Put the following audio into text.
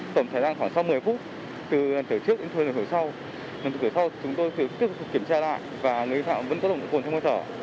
tổng thời gian khoảng sau một mươi phút từ lần thứ trước đến lần thứ sau lần thứ cuối sau chúng tôi tiếp tục kiểm tra lại và người vi phạm vẫn có nồng độ cồn trong hơi thở